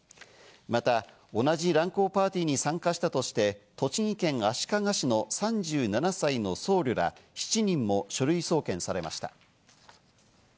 また同じ乱交パーティーに参加したとして、栃木県足利市の３７歳の僧侶ら７人も書類送検されました。